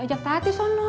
ojak tati sana